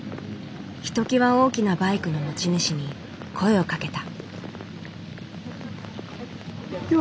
ひときわ大きなバイクの持ち主に声をかけた。